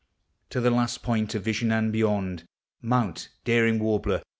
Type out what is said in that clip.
To the last point of vision, and beyond, Mount, daring warbler!